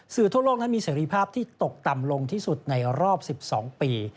ทั่วโลกนั้นมีเสรีภาพที่ตกต่ำลงที่สุดในรอบ๑๒ปี